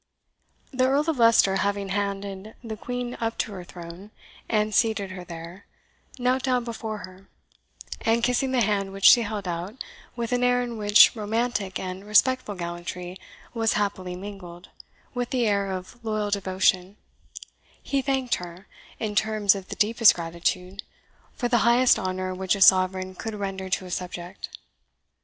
The Earl of Leicester having handed the Queen up to her throne, and seated her there, knelt down before her, and kissing the hand which she held out, with an air in which romantic and respectful gallantry was happily mingled with the air of loyal devotion, he thanked her, in terms of the deepest gratitude, for the highest honour which a sovereign could render to a subject.